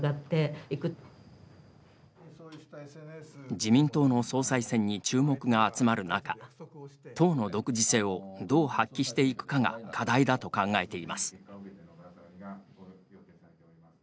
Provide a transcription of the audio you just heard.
自民党の総裁選に注目が集まる中、党の独自性をどう発揮していくかが課題だと考えています。